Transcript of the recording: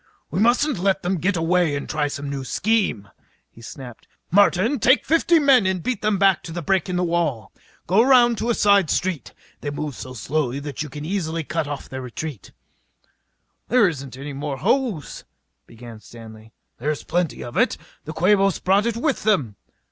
"We mustn't let them get away to try some new scheme!" he snapped. "Martin, take fifty men and beat them back to the break in the wall. Go around a side street. They move so slowly that you can easily cut off their retreat." "There isn't any more hose " began Stanley. "There's plenty of it. The Quabos brought it with them."